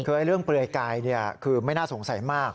คือเรื่องเปลือยกายคือไม่น่าสงสัยมาก